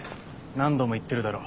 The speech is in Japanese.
何度も言ってるだろ。